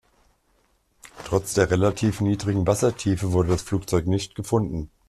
Trotz der relativ niedrigen Wassertiefe wurde das Flugzeug nicht gefunden.